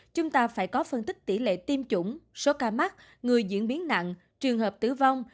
chúng ta phải có phân tích tỷ lệ tiêm chủng số ca mắc người diễn biến nặng trường hợp tử vong